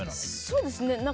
そうですね。